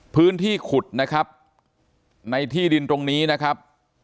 พื้นที่ขุดนะครับในที่ดินตรงนี้นะครับ